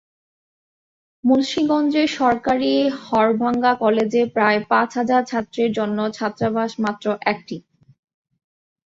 মুন্সিগঞ্জের সরকারি হরগঙ্গা কলেজে প্রায় পাঁচ হাজার ছাত্রের জন্য ছাত্রাবাস মাত্র একটি।